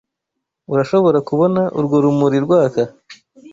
Urashobora kubona urwo rumuri rwaka?